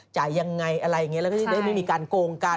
จ่ายยังไงอะไรอย่างนี้แล้วก็จะได้ไม่มีการโกงกัน